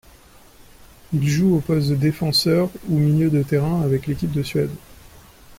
Il joue au poste de défenseur ou milieu de terrain avec l'équipe de Suède.